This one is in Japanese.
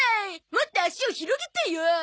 もっと足を広げてよ。